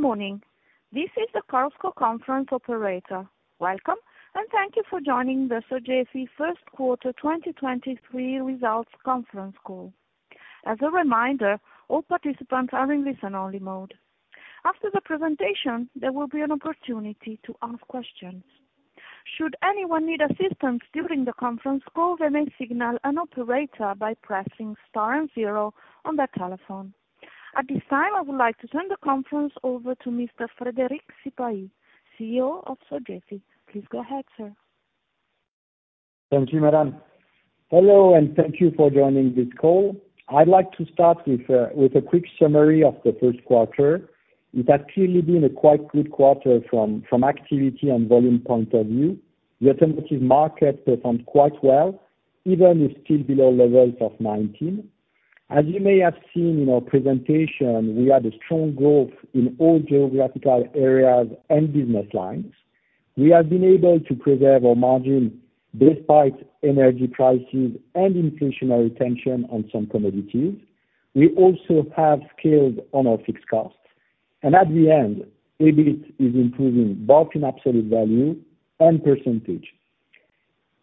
Good morning. This is the Chorus Call Conference Operator. Welcome, and thank you for joining the Sogefi First Quarter 2023 Results Conference Call. As a reminder, all participants are in listen only mode. After the presentation, there will be an opportunity to ask questions. Should anyone need assistance during the conference call, they may signal an operator by pressing star and zero on their telephone. At this time, I would like to turn the conference over to Mr. Frédéric Sipahi, CEO of Sogefi. Please go ahead, sir. Thank you, Madam. Hello, and thank you for joining this call. I'd like to start with a quick summary of the first quarter. It has clearly been a quite good quarter from activity and volume point of view. The alternative market performed quite well, even if still below levels of 2019. As you may have seen in our presentation, we had a strong growth in all geographical areas and business lines. We have been able to preserve our margin despite energy prices and inflationary tension on some commodities. We also have scaled on our fixed costs. At the end, EBIT is improving both in absolute value and percentage.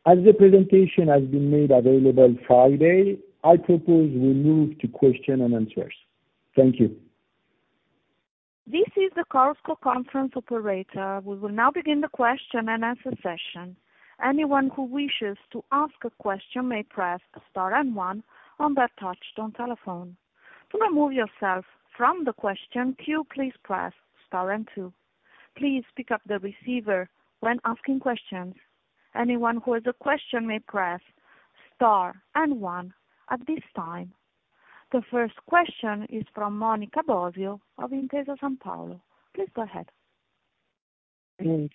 As the presentation has been made available Friday, I propose we move to question and answers. Thank you. This is the Chorus Call Conference Operator. We will now begin the question-and-answer session. Anyone who wishes to ask a question may press star one on their touch tone telephone. To remove yourself from the question queue, please press star two. Please pick up the receiver when asking questions. Anyone who has a question may press star one at this time. The first question is from Monica Bosio of Intesa Sanpaolo. Please go ahead.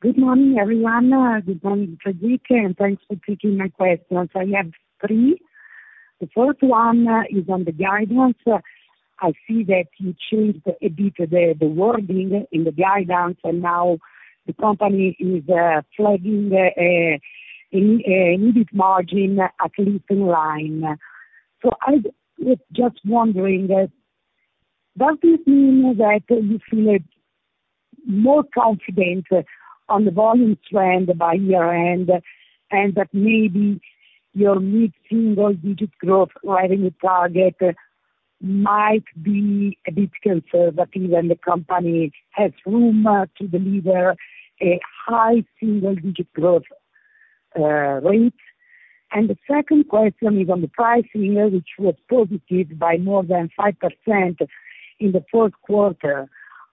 Good morning, everyone. Good morning, Frédéric, and thanks for taking my questions. I have three. The first one is on the guidance. I see that you changed a bit the wording in the guidance, and now the company is flagging an EBIT margin at least in line. I was just wondering, does this mean that you feel more confident on the volume trend by year-end, and that maybe your mid-single digit growth revenue target might be a bit conservative, and the company has room to deliver a high single digit growth rate? The second question is on the pricing, which was positive by more than 5% in the fourth quarter.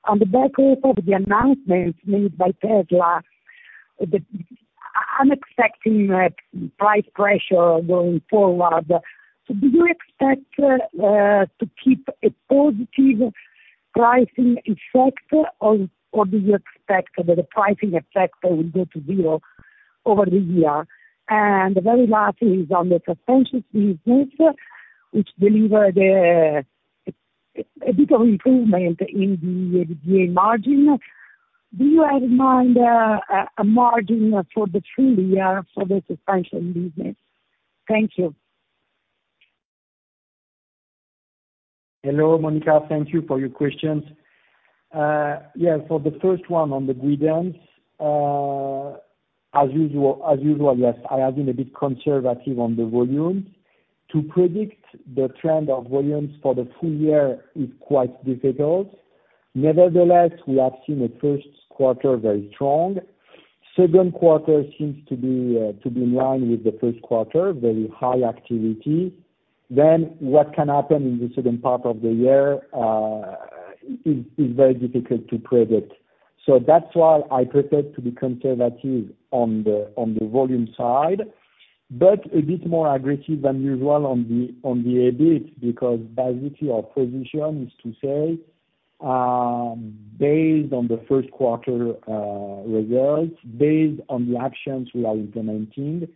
On the back of the announcements made by Tesla, I'm expecting price pressure going forward. Do you expect to keep a positive pricing effect, or do you expect that the pricing effect will go to zero over the year? The very last is on the suspension business, which delivered a bit of improvement in the EBITDA margin. Do you have in mind a margin for the full year for the suspension business? Thank you. Hello, Monica. Thank you for your questions. yeah, for the first one on the guidance, as usual, yes, I have been a bit conservative on the volumes. To predict the trend of volumes for the full year is quite difficult. Nevertheless, we have seen the first quarter very strong. Second quarter seems to be, to be in line with the first quarter, very high activity. What can happen in the second part of the year, is very difficult to predict. That's why I prefer to be conservative on the volume side, but a bit more aggressive than usual on the EBIT, because basically our position is to say, based on the first quarter, results, based on the actions we are implementing,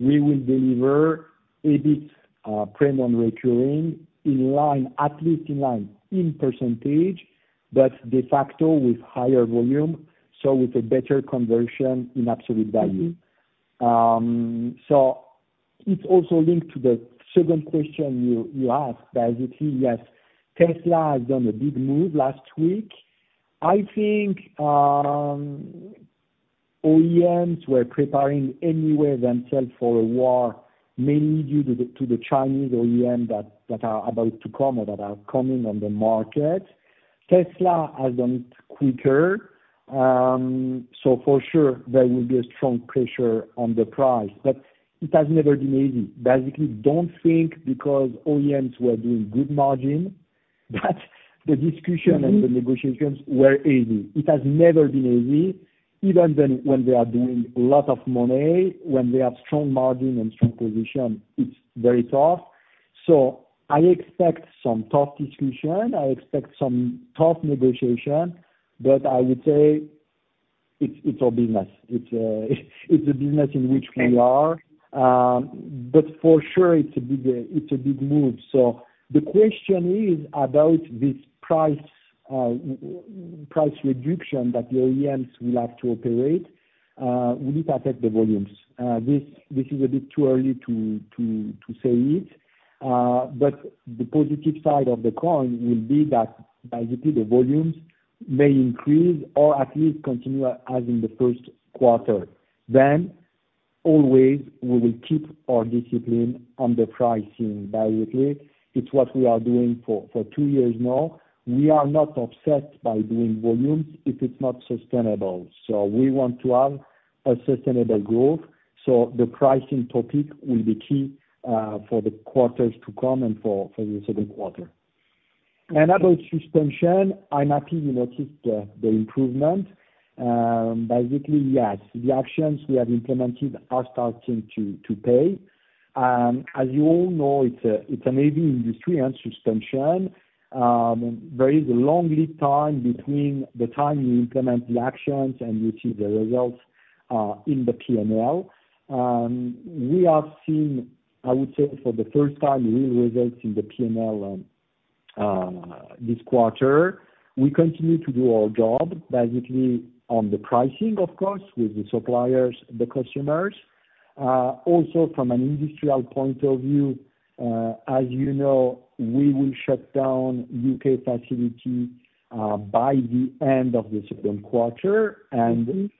we will deliver EBIT, premium recurring in line, at least in line, in percentage, but de facto with higher volume, so with a better conversion in absolute value. It's also linked to the second question you asked. Basically, yes, Tesla has done a big move last week. I think, OEMs were preparing anyway themselves for a war, mainly due to the Chinese OEM that are about to come or that are coming on the market. Tesla has done it quicker. For sure there will be a strong pressure on the price, it has never been easy. Basically, don't think because OEMs were doing good margin, that the discussion and the negotiations were easy. It has never been easy. Even when they are doing a lot of money, when they have strong margin and strong position, it's very tough. I expect some tough discussion. I expect some tough negotiation, I would say it's our business. It's a business in which we are. For sure it's a big move. The question is about this price reduction that the OEMs will have to operate, will it affect the volumes? This is a bit too early to say it. The positive side of the coin will be that basically the volumes may increase or at least continue as in the first quarter. Always we will keep our discipline on the pricing. Basically, it's what we are doing for two years now. We are not obsessed by doing volumes if it's not sustainable. We want to have a sustainable growth, so the pricing topic will be key for the quarters to come and for the second quarter. About suspension, I'm happy you noticed the improvement. Basically, yes, the actions we have implemented are starting to pay. As you all know, it's an aging industry and suspension. There is a long lead time between the time you implement the actions and you see the results in the P&L. We have seen, I would say, for the first time, real results in the P&L this quarter. We continue to do our job, basically on the pricing of course with the suppliers, the customers. Also from an industrial point of view, as you know, we will shut down U.K. facility by the end of the second quarter. In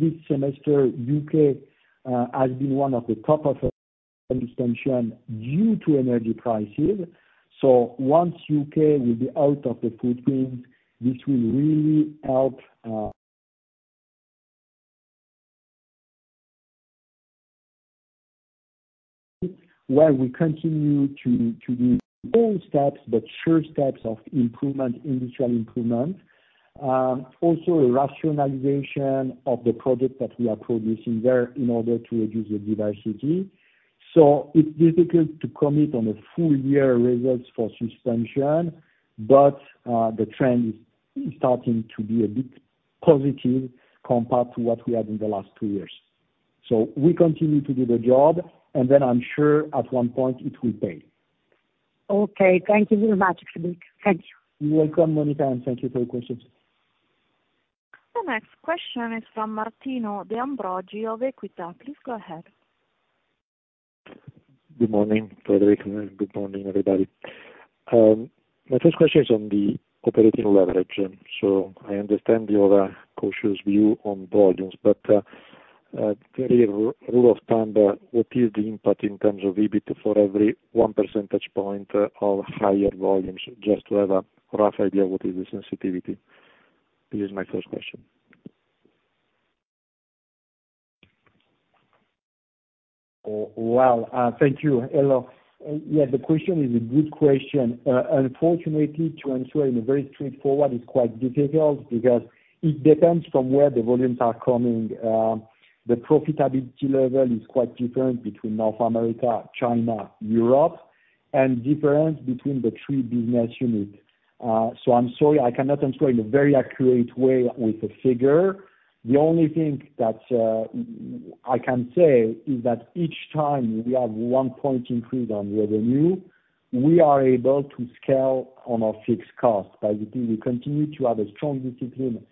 this semester, U.K. has been one of the top of suspension due to energy prices. Once U.K. will be out of the equation, this will really help. Where we continue to do small steps, but sure steps of improvement, industrial improvement. Also a rationalization of the product that we are producing there in order to reduce the diversity. It's difficult to commit on a full year results for suspension, but the trend is starting to be a bit positive compared to what we had in the last two years. We continue to do the job, and then I'm sure at one point it will pay. Okay. Thank you very much, Frédéric. Thank you. You're welcome, Monica, and thank you for your questions. The next question is from Martino De Ambrogi of Equita. Please go ahead. Good morning, Frédéric. Good morning, everybody. My first question is on the operating leverage. I understand you have a cautious view on volumes, but clearly rule of thumb, what is the impact in terms of EBIT for every 1 percentage point of higher volumes, just to have a rough idea what is the sensitivity? This is my first question. Well, thank you. Hello. Yeah, the question is a good question. Unfortunately, to answer in a very straightforward, it's quite difficult because it depends from where the volumes are coming. The profitability level is quite different between North America, China, Europe, and different between the three business unit. I'm sorry, I cannot answer in a very accurate way with a figure. The only thing that I can say is that each time we have one point increase on revenue, we are able to scale on our fixed cost. Basically, we continue to have a strong discipline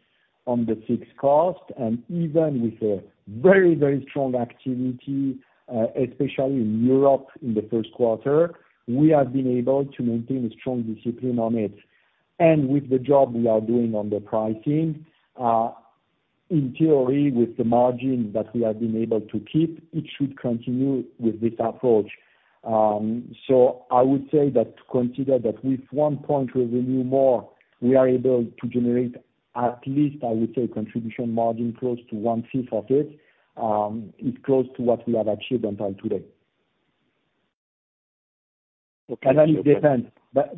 on the fixed cost, and even with a very, very strong activity, especially in Europe in the first quarter, we have been able to maintain a strong discipline on it. With the job we are doing on the pricing, in theory, with the margin that we have been able to keep, it should continue with this approach. I would say that consider that with 1 point revenue more, we are able to generate at least, I would say, contribution margin close to 1/5 of it, is close to what we have achieved until today. Okay. It depends.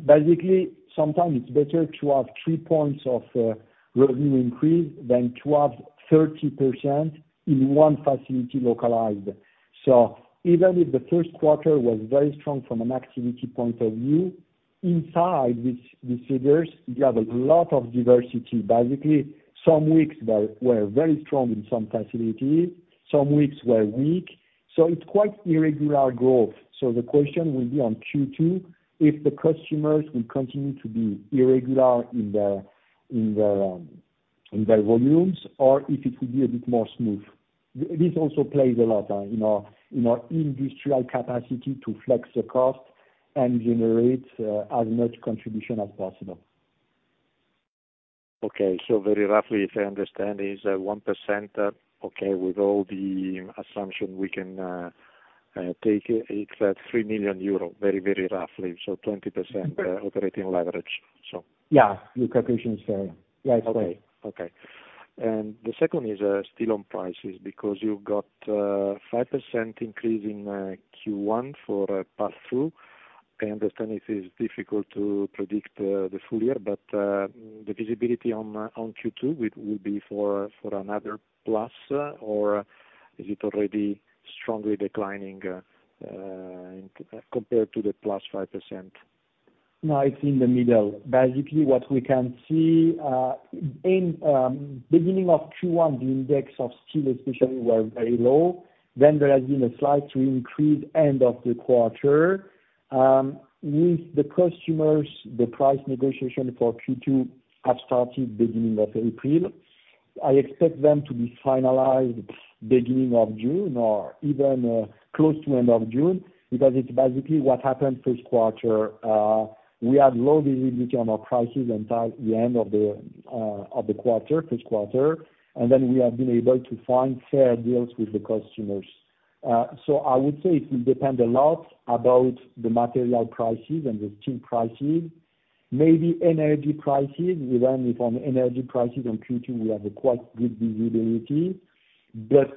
Basically, sometimes it's better to have three points of revenue increase than to have 30% in one facility localized. Even if the first quarter was very strong from an activity point of view, inside with these figures, we have a lot of diversity. Basically, some weeks were very strong in some facilities, some weeks were weak, so it's quite irregular growth. The question will be on Q2, if the customers will continue to be irregular in their volumes, or if it will be a bit more smooth. This also plays a lot in our industrial capacity to flex the cost and generate as much contribution as possible. Okay. very roughly, if I understand, is 1%, okay, with all the assumption we can take it's at 3 million euro, very, very roughly, so 20% operating leverage. Yeah. Your calculation is very right way. Okay, okay. The second is still on prices because you've got a 5% increase in Q1 for pass-through. I understand it is difficult to predict the full year, but the visibility on Q2 would be for another plus, or is it already strongly declining compared to the +5%? No, it's in the middle. Basically, what we can see in beginning of Q1, the index of steel especially were very low. There has been a slight re-increase end of the quarter. With the customers, the price negotiation for Q2 have started beginning of April. I expect them to be finalized beginning of June or even close to end of June, it's basically what happened first quarter. We had low visibility on our prices until the end of the of the quarter, first quarter, we have been able to find fair deals with the customers. I would say it will depend a lot about the material prices and the steel prices, maybe energy prices, we run it on energy prices on Q2 we have a quite good visibility.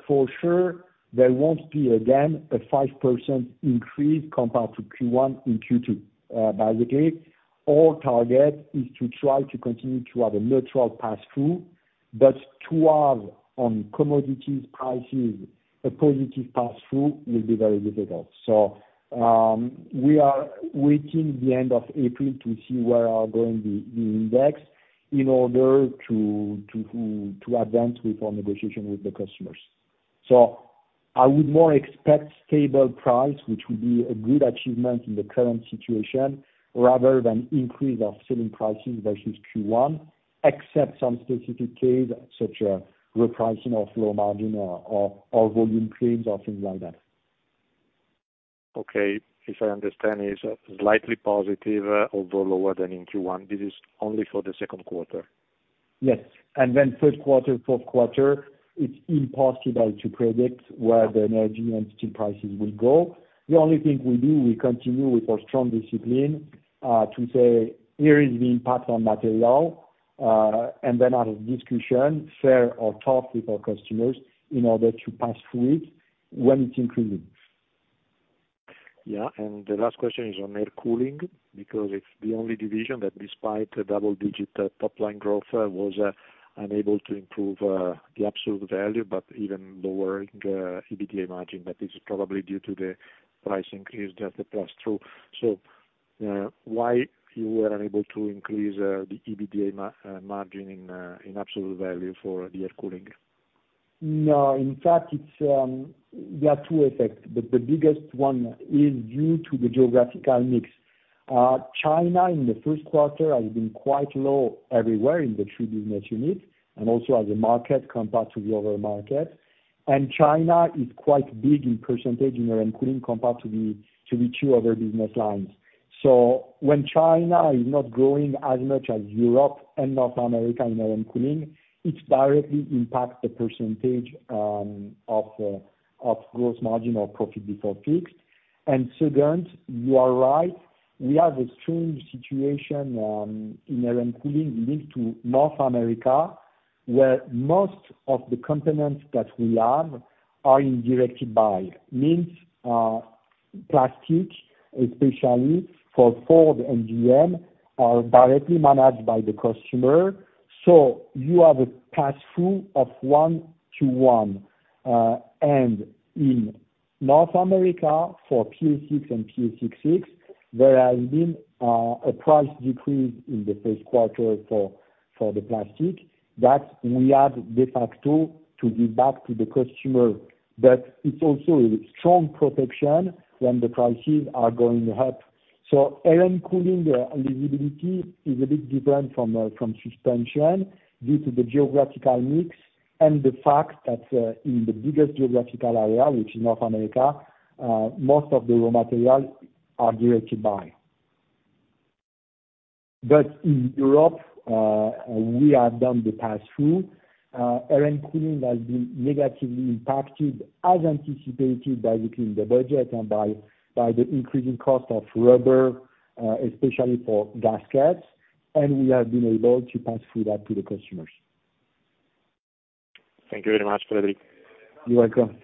For sure there won't be, again, a 5% increase compared to Q1 and Q2. Basically, our target is to try to continue to have a neutral pass-through, but to have on commodities prices a positive pass-through will be very difficult. We are waiting the end of April to see where are going the index in order to advance with our negotiation with the customers. I would more expect stable price, which would be a good achievement in the current situation, rather than increase of selling prices versus Q1, except some specific case such as repricing of low margin or volume claims or things like that. Okay. If I understand, it's slightly positive, although lower than in Q1. This is only for the second quarter? Yes. Then first quarter, fourth quarter, it's impossible to predict where the energy and steel prices will go. The only thing we do, we continue with our strong discipline, to say, here is the impact on material, then have a discussion, fair or tough with our customers in order to pass through it when it increases. Yeah. The last question is on Air & Cooling, because it's the only division that despite the double-digit top line growth, was unable to improve the absolute value, but even lowering EBITDA margin. That is probably due to the price increase that pass-through. Why you were unable to increase the EBITDA margin in absolute value for the Air & Cooling? No. In fact it's, there are two effects, but the biggest one is due to the geographical mix. China in the first quarter has been quite low everywhere in the three business units, and also as a market compared to the other markets. China is quite big in percentage in Air & Cooling compared to the two other business lines. When China is not growing as much as Europe and North America in Air & Cooling, it directly impacts the percentage of gross margin or profit before tax. Second, you are right, we have a strange situation in Air & Cooling linked to North America, where most of the components that we have are in directed buy. Means, plastic, especially for Ford and GM, are directly managed by the customer. You have a pass-through of 1:1. In North America for PS6 and PA66, there has been a price decrease in the first quarter for the plastic that we had de facto to give back to the customer. It's also a strong protection when the prices are going up. Air & Cooling, the visibility is a bit different from suspension due to the geographical mix and the fact that in the biggest geographical area, which is North America, most of the raw material are directed buy. In Europe, we have done the pass-through. Air & Cooling has been negatively impacted as anticipated basically in the budget and by the increasing cost of rubber, especially for gaskets, and we have been able to pass through that to the customers. Thank you very much, Frédéric. You're welcome.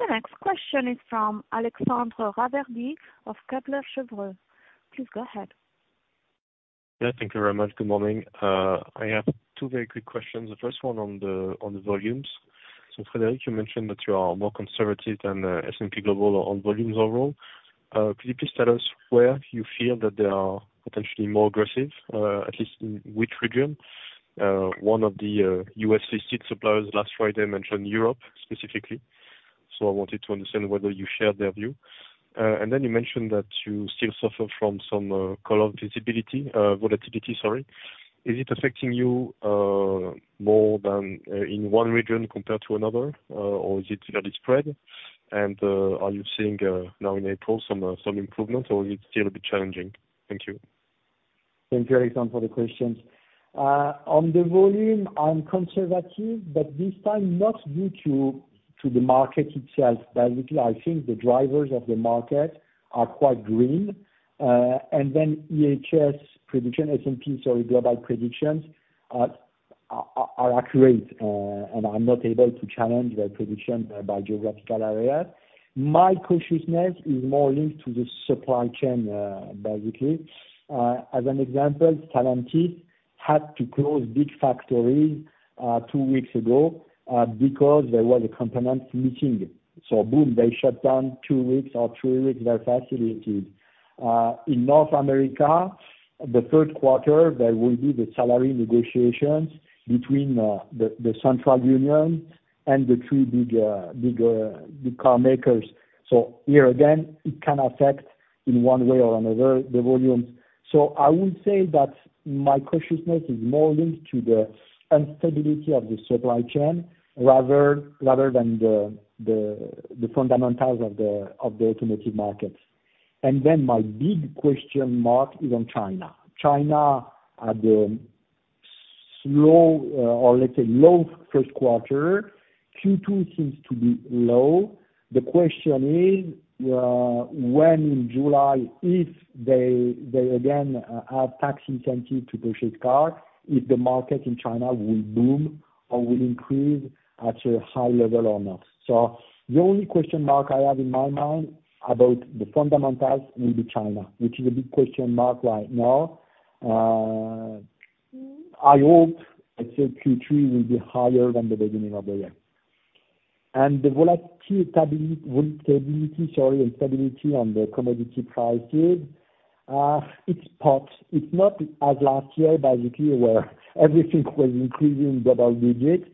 The next question is from Alexandre Raverdy of Kepler Cheuvreux. Please go ahead. Yeah, thank you very much. Good morning. I have two very quick questions. The first one on the, on the volumes. Frédéric, you mentioned that you are more conservative than S&P Global on volumes overall. Could you please tell us where you feel that they are potentially more aggressive, at least in which region? One of the U.S. listed suppliers last Friday mentioned Europe specifically, so I wanted to understand whether you share their view. You mentioned that you still suffer from some color visibility, volatility, sorry. Is it affecting you more than in one region compared to another, or is it fairly spread? Are you seeing now in April some improvement, or is it still a bit challenging? Thank you. Thank you, Alexandre, for the questions. On the volume, I'm conservative, but this time not due to the market itself. Basically, I think the drivers of the market are quite green. IHS prediction, S&P, sorry, Global predictions are accurate, and I'm not able to challenge their prediction by geographical area. My cautiousness is more linked to the supply chain, basically. As an example, Stellantis had to close big factory two weeks ago because there was a component missing. Boom, they shut down two weeks or three weeks their facilities. In North America, the third quarter, there will be the salary negotiations between the central union and the three big car makers. Here again, it can affect in one way or another, the volumes. I would say that my cautiousness is more linked to the instability of the supply chain rather than the fundamentals of the automotive markets. My big question mark is on China. China had slow or let's say low first quarter. Q2 seems to be low. The question is, when in July, if they again have tax incentive to purchase cars, if the market in China will boom or will increase at a high level or not. The only question mark I have in my mind about the fundamentals will be China, which is a big question mark right now. I hope, let's say Q3 will be higher than the beginning of the year. The volatility, sorry, instability on the commodity prices. It's part. It's not as last year, basically, where everything was increasing double digits.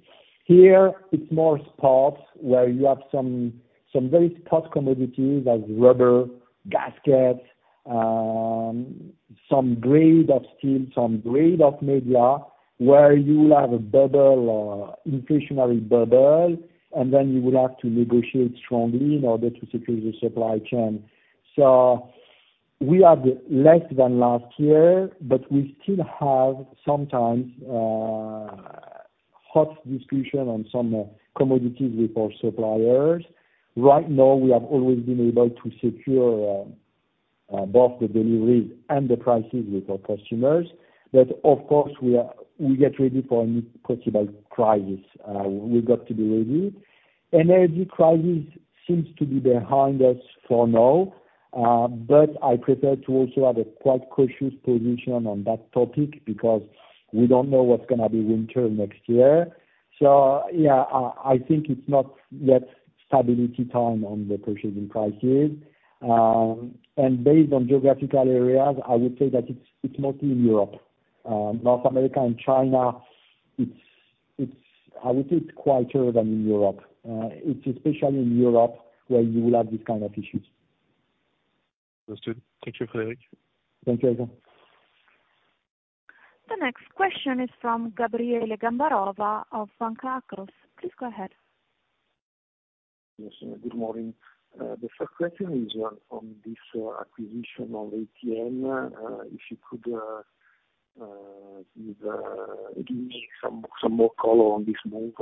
Here it's more spots where you have some very spot commodities like rubber, gaskets, some grade of steel, some grade of metal, where you will have a bubble or inflationary bubble, you will have to negotiate strongly in order to secure the supply chain. We had less than last year, but we still have sometimes hot discussion on some commodities with our suppliers. Right now, we have always been able to secure both the deliveries and the prices with our customers. Of course, we get ready for any possible crisis. We got to be ready. Energy crisis seems to be behind us for now, I prefer to also have a quite cautious position on that topic because we don't know what's gonna be winter next year. Yeah, I think it's not yet stability time on the purchasing prices. Based on geographical areas, I would say that it's mostly in Europe. North America and China, I would say it's quieter than in Europe. It's especially in Europe where you will have these kind of issues. Understood. Thank you, Frédéric. Thank you. The next question is from Gabriele Gambarova of Banca Akros. Please go ahead. Yes, good morning. The first question is on this acquisition of ATN. If you could give me some more color on this move.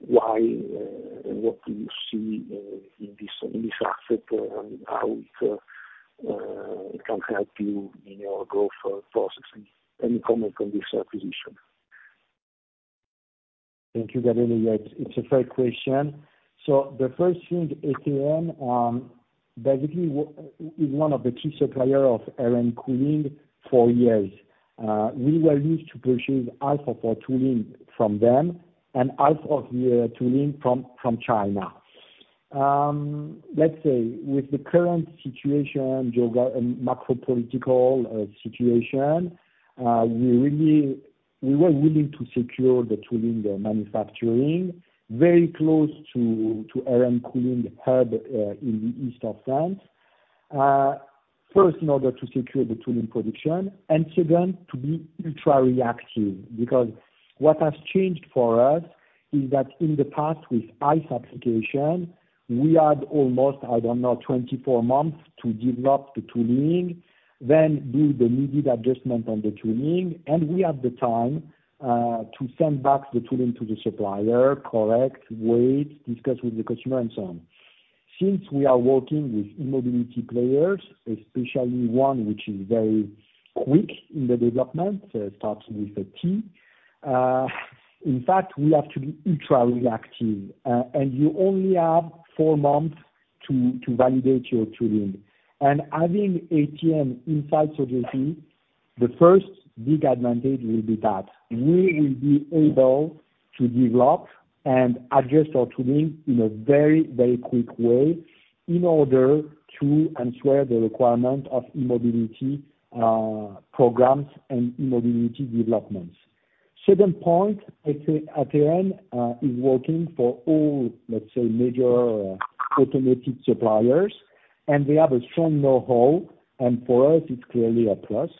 Why, what do you see in this asset and how it can help you in your growth processing? Any comment on this acquisition? Thank you, Gabriele. It's a fair question. The first thing, ATN, basically is one of the key supplier of Air & Cooling for years. We were used to purchase half of our tooling from them and half of the tooling from China. Let's say with the current situation, macro political situation, we were willing to secure the tooling, the manufacturing very close to Air & Cooling hub, in the east of France. First in order to secure the tooling production and second, to be ultra reactive, because what has changed for us is that in the past, with ICE application, we had almost, I don't know, 24 months to develop the tooling, then do the needed adjustment on the tooling, and we had the time to send back the tooling to the supplier, correct, wait, discuss with the customer and so on. Since we are working with e-mobility players, especially one which is very quick in the development, starts with a T. In fact, we have to be ultra reactive, and you only have four months to validate your tooling. Having ATN inside Sogefi, the first big advantage will be that we will be able to develop and adjust our tooling in a very, very quick way in order to ensure the requirement of e-mobility programs and e-mobility developments. Second point, ATN is working for all, let's say, major automotive suppliers, and they have a strong know-how, and for us it's clearly a plus.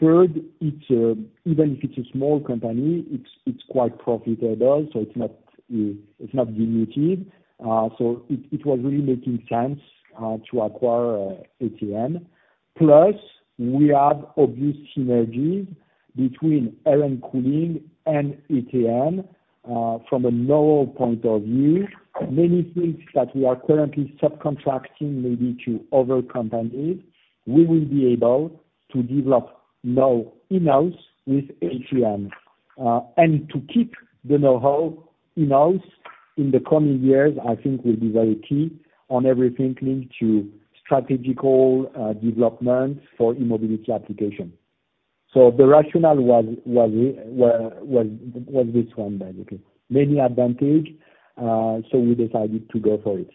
Third, even if it's a small company, it's quite profitable, so it's not, it's not diluted. It was really making sense to acquire ATN. Plus, we have obvious synergies between Air & Cooling and ATN. From a know point of view, many things that we are currently subcontracting maybe to other companies, we will be able to develop now in-house with ATN. To keep the know-how in-house in the coming years, I think will be very key on everything linked to strategic development for e-mobility application. The rationale was this one basically. Many advantage, we decided to go for it.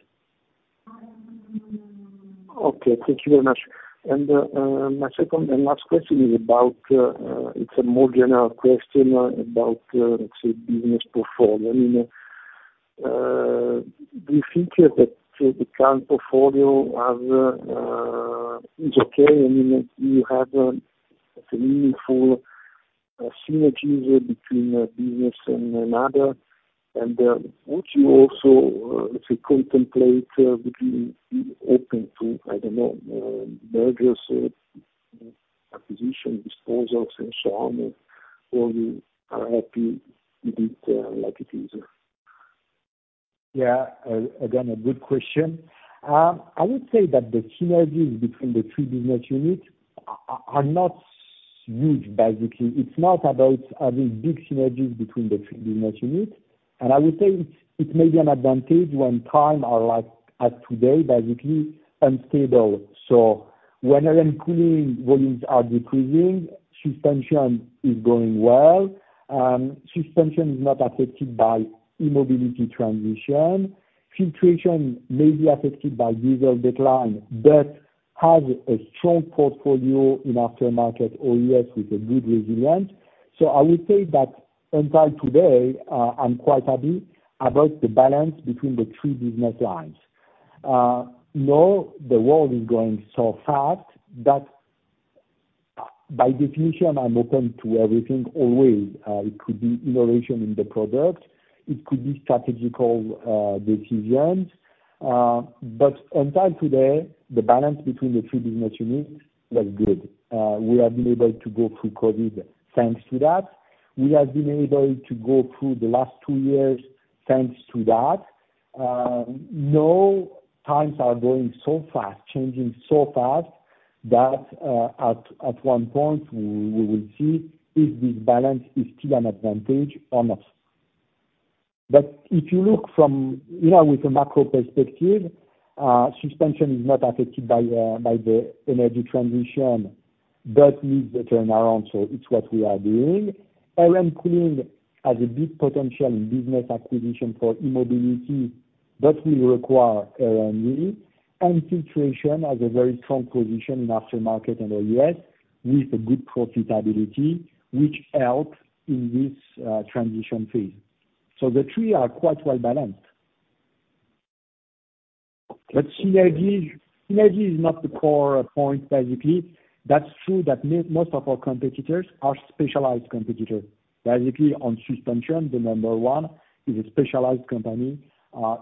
Okay, thank you very much. My second and last question is about, it's a more general question about, let's say business portfolio. I mean, do you think that the current portfolio has, is okay? I mean, you have a meaningful synergies between business and another. Would you also, let's say contemplate, would you be open to, I don't know, mergers or acquisition disposals and so on? Or you are happy with it like it is? Yeah. Again, a good question. I would say that the synergies between the three business units are not huge, basically. It's not about having big synergies between the three business units. I would say it may be an advantage when time are like as today, basically unstable. When Air & Cooling volumes are decreasing, suspension is going well. Suspension is not affected by e-mobility transition. Filtration may be affected by diesel decline, but has a strong portfolio in aftermarket or U.S. with a good resilient. I would say that until today, I'm quite happy about the balance between the three business lines. Now the world is going so fast that by definition I'm open to everything always. It could be innovation in the product, it could be strategical decisions. Until today, the balance between the three business units was good. We have been able to go through COVID thanks to that. We have been able to go through the last two years thanks to that. Now times are going so fast, changing so fast that, at one point we will see if this balance is still an advantage or not. If you look from, you know, with a macro perspective, suspension is not affected by the energy transition, but needs a turnaround. It's what we are doing. Air & Cooling has a big potential in business acquisition for e-mobility that will require R&D. Filtration has a very strong position in aftermarket and the U.S. with a good profitability, which helps in this transition phase. The three are quite well balanced. Synergy is not the core point, basically. That's true that most of our competitors are specialized competitors. Basically on suspension, the number one is a specialized company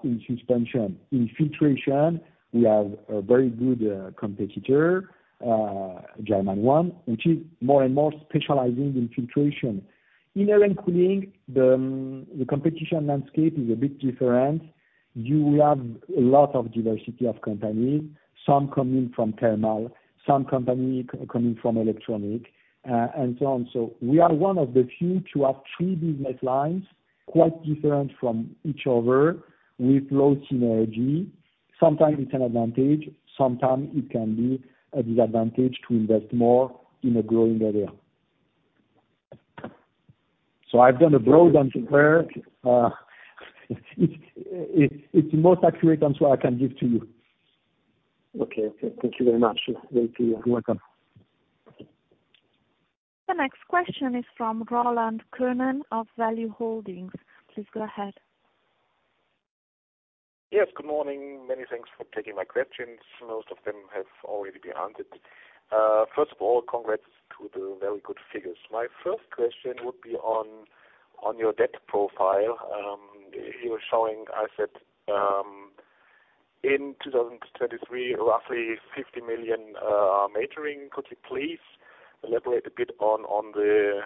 in suspension. In filtration, we have a very good competitor, German one, which is more and more specializing in filtration. In Air & Cooling, the competition landscape is a bit different. You have a lot of diversity of companies, some coming from thermal, some company coming from electronic, and so on. We are one of the few to have three business lines quite different from each other with low synergy. Sometimes it's an advantage, sometimes it can be a disadvantage to invest more in a growing area. I've done a broad answer there. It's the most accurate answer I can give to you. Okay. Okay. Thank you very much. Thank you. You're welcome. The next question is from Roland Könen of Value-Holdings. Please go ahead. Yes, good morning. Many thanks for taking my questions. Most of them have already been answered. First of all, congrats to the very good figures. My first question would be on your debt profile. You were showing, I said, in 2023, roughly 50 million maturing. Could you please elaborate a bit on the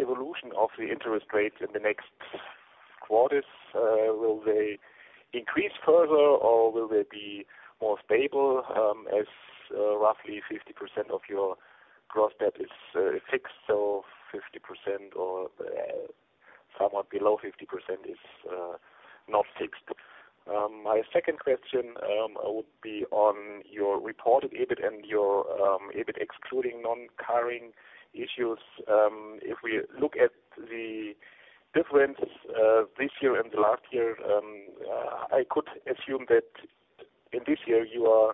evolution of the interest rates in the next quarters? Will they increase further or will they be more stable, as roughly 50% of your gross debt is fixed, so 50% or somewhat below 50% is not fixed? My second question would be on your reported EBIT and your EBIT excluding non-occurring issues. If we look at the difference, this year and the last year, I could assume that in this year you are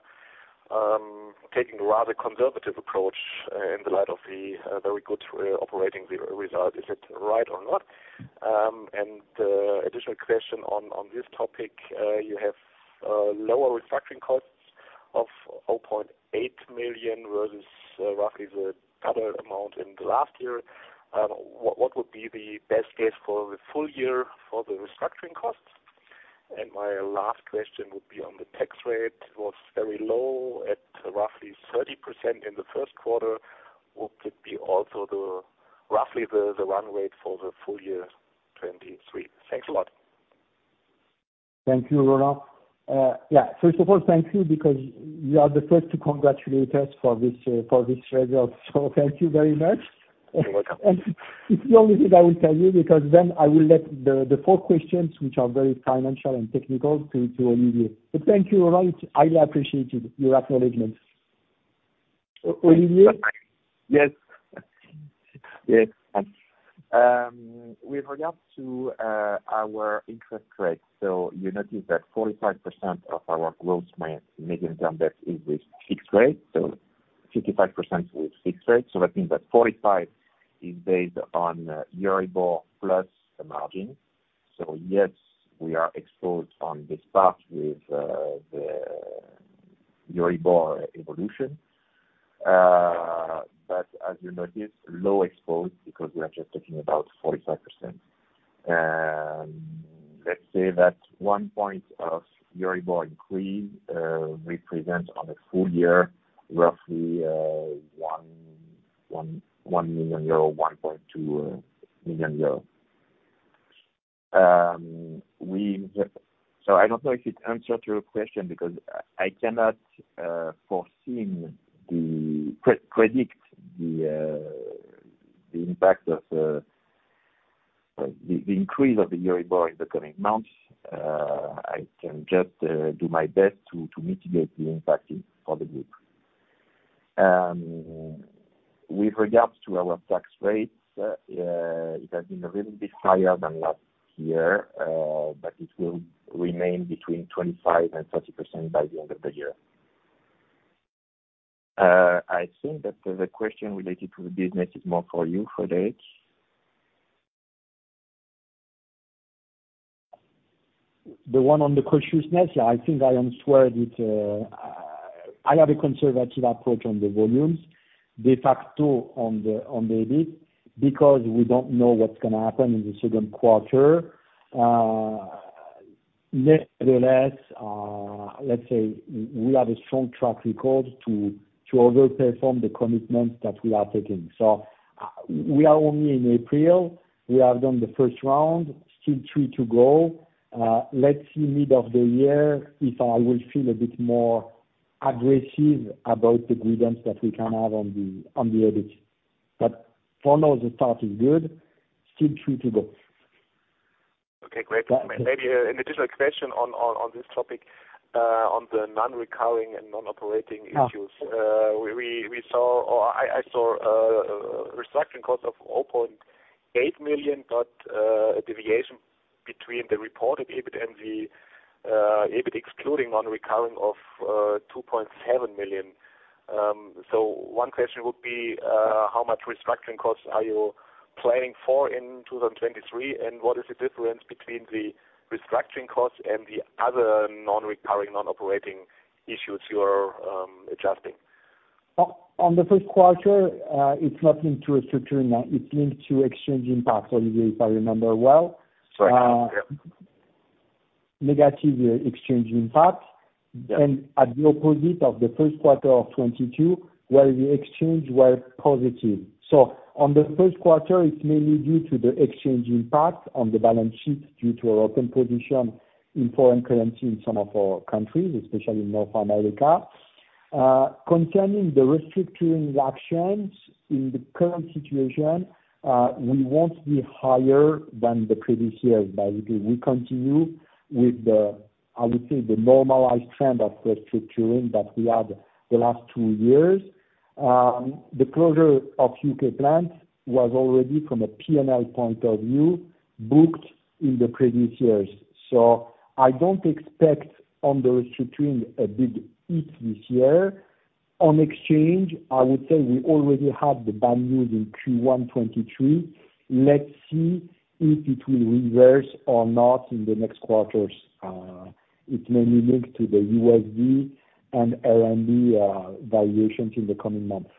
taking a rather conservative approach in the light of the very good operating result. Is it right or not? Additional question on this topic. You have lower restructuring costs of 0.8 million versus roughly the other amount in the last year. What would be the best case for the full year for the restructuring costs? My last question would be on the tax rate. It was very low at roughly 30% in the first quarter. What could be also the roughly the run rate for the full year 2023? Thanks a lot. Thank you, Roland. Yeah. First of all, thank you because you are the first to congratulate us for this, for this result. Thank you very much. You're welcome. It's the only thing I will tell you, because then I will let the four questions which are very financial and technical to Olivier. Thank you, Roland. I appreciate your acknowledgement. Olivier? Yes. Yes. With regard to our interest rates, you notice that 45% of our gross medium-term debt is with fixed rate, 55% with fixed rate. That means that 45% is based on EURIBOR plus the margin. Yes, we are exposed on this part with the EURIBOR evolution. As you notice, low exposed because we are just talking about 45%. Let's say that 1 point of EURIBOR increase represents on a full year roughly 1 million euro, 1.2 million euro. We have... I don't know if it answers your question because I cannot predict the impact of the increase of the EURIBOR in the coming months. I can just do my best to mitigate the impact for the group. With regards to our tax rates, it has been a little bit higher than last year, but it will remain between 25%-30% by the end of the year. I think that the question related to the business is more for you, Frédéric. The one on the cautiousness, yeah, I think I answered it. I have a conservative approach on the volumes, de facto on the, on the EBIT, because we don't know what's gonna happen in the second quarter. Nevertheless, let's say we have a strong track record to overperform the commitments that we are taking. We are only in April, we have done the first round, still three to go. Let's see mid of the year if I will feel a bit more aggressive about the guidance that we can have on the, on the EBIT. For now, the start is good. Still two to go. Okay, great. Yeah. Maybe an additional question on this topic. On the non-recurring and non-operating issues. Yeah. We saw or I saw a restructuring cost of 0.8 million, a deviation between the reported EBIT and the EBIT excluding non-recurring of 2.7 million. One question would be, how much restructuring costs are you planning for in 2023? What is the difference between the restructuring costs and the other non-recurring, non-operating issues you're adjusting? On the first quarter, it's nothing to restructuring. It's linked to exchange impact, Olivier, if I remember well. Sorry. Yeah. Negative exchange impact. Yeah. At the opposite of the first quarter of 2022, where the exchange were positive. On the first quarter, it's mainly due to the exchange impact on the balance sheet due to our open position in foreign currency in some of our countries, especially in North America. Concerning the restructuring actions in the current situation, we won't be higher than the previous years. Basically, we continue with the, I would say, the normalized trend of restructuring that we had the last two years. The closure of U.K. plant was already from a P&L point of view, booked in the previous years. I don't expect on the restructuring a big hit this year. On exchange, I would say we already have the bad news in Q1 2023. Let's see if it will reverse or not in the next quarters. It mainly linked to the USD and RMB valuations in the coming months.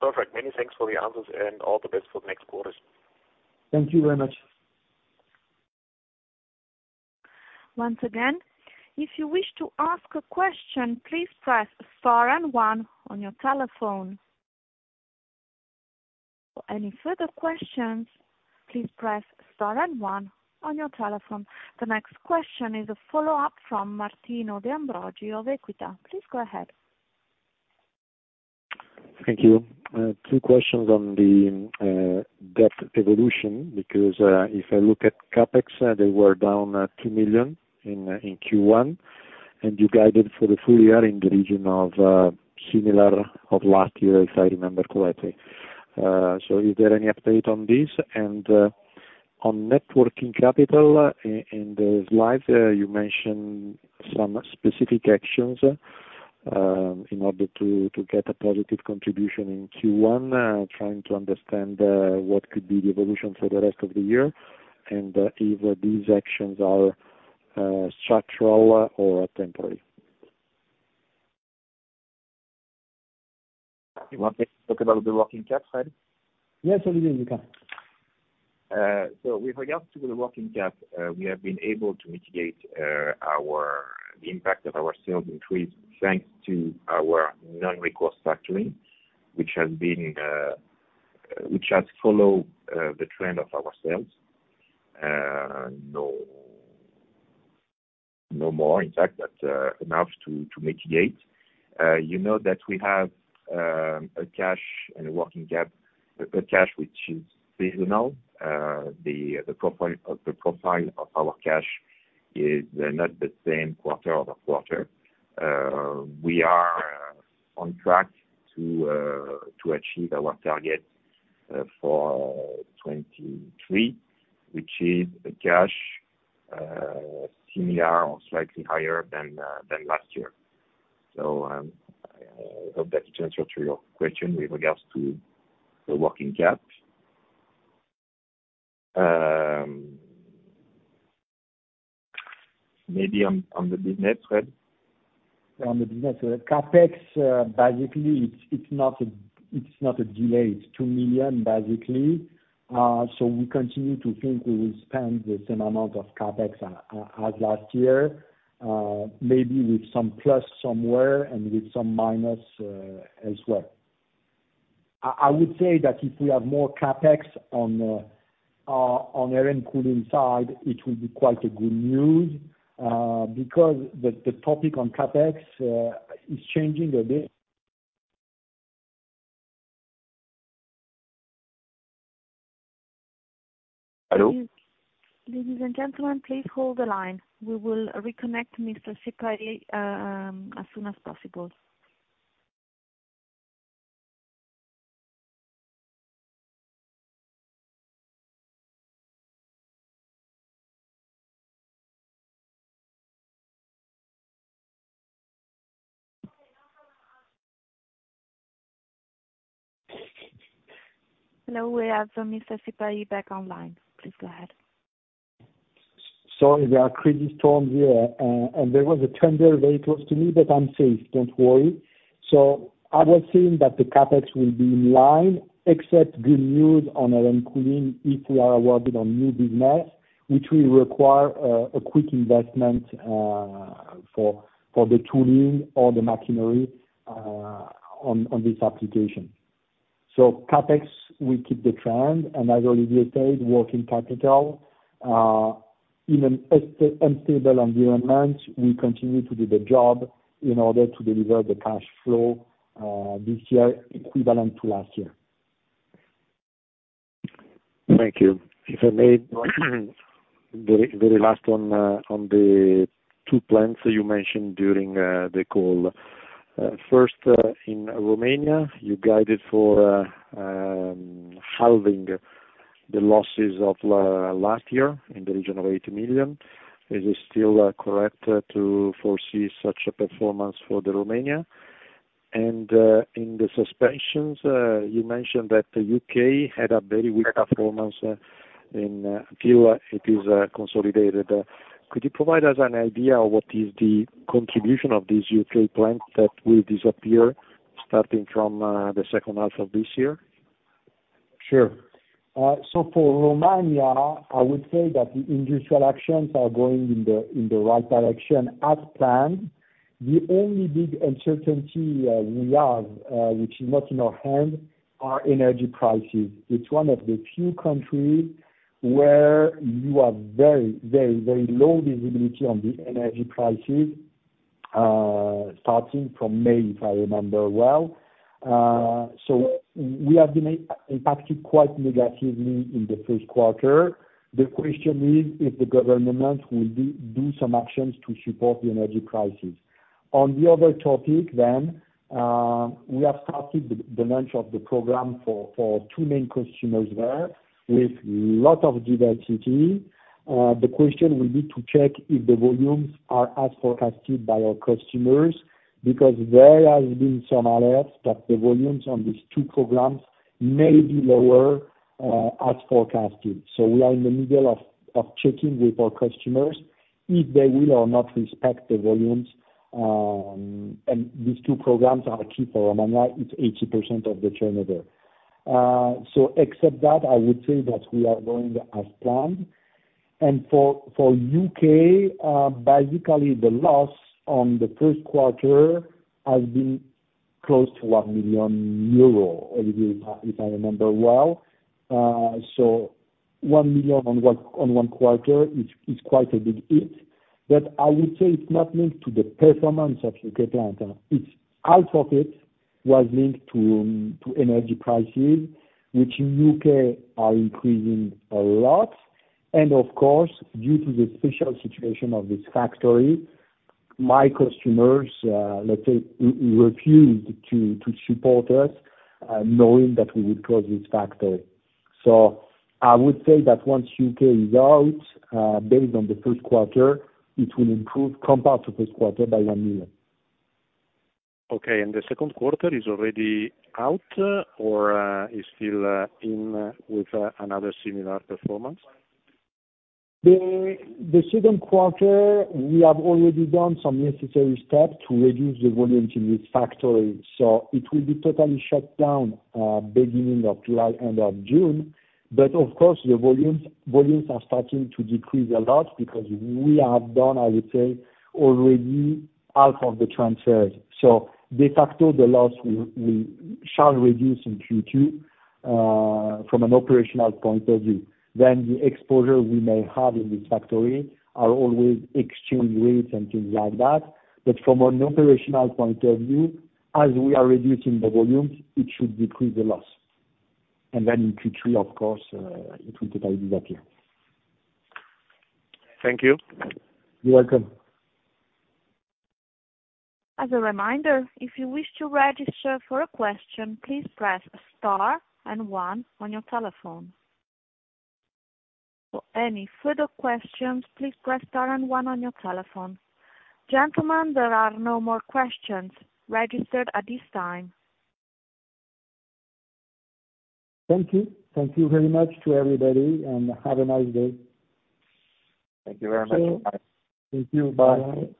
Perfect. Many thanks for the answers and all the best for the next quarters. Thank you very much. Once again, if you wish to ask a question, please press star and one on your telephone. For any further questions, please press star and one on your telephone. The next question is a follow-up from Martino De Ambrogi of Equita. Please go ahead. Thank you. Two questions on the debt evolution, because, if I look at CapEx, they were down at 2 million in Q1, and you guided for the full year in the region of similar of last year, if I remember correctly. Is there any update on this? On net working capital in the slides, you mentioned some specific actions in order to get a positive contribution in Q1, trying to understand what could be the evolution for the rest of the year, and if these actions are structural or temporary. You want me to talk about the working cap, Frédéric? Yes, Olivier, you can. With regards to the working cap, we have been able to mitigate the impact of our sales increase thanks to our non-recourse factoring, which has been which has followed the trend of our sales. No, no more, in fact, but enough to mitigate. You know that we have a cash and a working cap, a cash which is seasonal. The profile of our cash. Is not the same quarter-over-quarter. We are on track to achieve our target for 2023, which is a cash similar or slightly higher than last year. I hope that answers to your question with regards to the working cap. Maybe on the business side. On the business, CapEx, basically, it's not a, it's not a delay. It's 2 million basically. We continue to think we will spend the same amount of CapEx as last year, maybe with some plus somewhere and with some minus, as well. I would say that if we have more CapEx on Air & Cooling side, it will be quite a good news, because the topic on CapEx is changing a bit. Hello? Ladies, and gentlemen, please hold the line. We will reconnect Mr. Sipahi, as soon as possible. Hello, we have Mr. Sipahi back online. Please go ahead. Sorry. There are crazy storms here. And there was a thunder very close to me, but I'm safe. Don't worry. I was saying that the CapEx will be in line except good news on Air & Cooling if we are awarded on new business, which will require a quick investment for the tooling or the machinery on this application. CapEx, we keep the trend. As Olivier said, working capital in an unstable environment, we continue to do the job in order to deliver the cash flow this year equivalent to last year. Thank you. If I may, the last one, on the two plans that you mentioned during the call. First, in Romania, you guided for halving the losses of last year in the region of 80 million. Is this still correct to foresee such a performance for the Romania? In the suspensions, you mentioned that the U.K. had a very weak performance in Q1. It is consolidated. Could you provide us an idea what is the contribution of this U.K. plant that will disappear starting from the second half of this year? Sure. For Romania, I would say that the industrial actions are going in the right direction as planned. The only big uncertainty we have, which is not in our hand, are energy prices. It's one of the few countries where you have very, very, very low visibility on the energy prices, starting from May, if I remember well. We have been impacted quite negatively in the first quarter. The question is if the government will do some actions to support the energy prices. On the other topic, we have started the launch of the program for two main consumers there with lot of diversity. The question will be to check if the volumes are as forecasted by our customers because there has been some alerts that the volumes on these two programs may be lower as forecasted. We are in the middle of checking with our customers if they will or not respect the volumes. These two programs are key for Romania. It's 80% of the turnover. Except that, I would say that we are going as planned. For U.K., basically the loss on the first quarter has been close to 1 million euro, Olivier, if I remember well. 1 million on one quarter is quite a big hit. I would say it's not linked to the performance of U.K. plant. It's output, it was linked to energy prices, which in U.K. are increasing a lot. Of course, due to the special situation of this factory, my customers, let's say refused to support us, knowing that we would close this factory. I would say that once U.K. is out, based on the first quarter, it will improve compared to first quarter by 1 million. Okay. The second quarter is already out or is still in with another similar performance? The second quarter, we have already done some necessary steps to reduce the volumes in this factory. It will be totally shut down beginning of July, end of June. Of course, the volumes are starting to decrease a lot because we have done, I would say, already half of the transfers. De facto, the loss shall reduce in Q2 from an operational point of view. The exposure we may have in this factory are always exchange rates and things like that. From an operational point of view, as we are reducing the volumes, it should decrease the loss. In Q3, of course, it will totally disappear. Thank you. You're welcome. As a reminder, if you wish to register for a question, please press star and one on your telephone. For any further questions, please press star and one on your telephone. Gentlemen, there are no more questions registered at this time. Thank you. Thank you very much to everybody, and have a nice day. Thank you very much. Bye. Thank you. Bye.